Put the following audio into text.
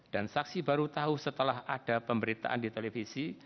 dan saksi baru tahu setelah ada pemberitaan di televisi